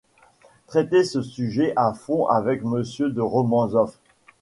Traitez ce sujet à fond avec Monsieur de Romanzoff.